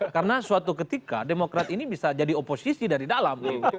karena suatu ketika demokrat ini bisa jadi oposisi dari dalam